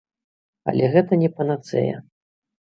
Але гэта не панацэя.